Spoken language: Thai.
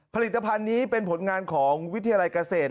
ผลิตภัณฑ์นี้เป็นผลงานของวิทยาลัยเกษตร